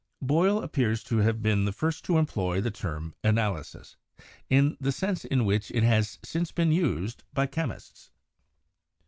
Boyle appears to have been the first to employ the term analysis, in the sense in which it has since been used by chemists.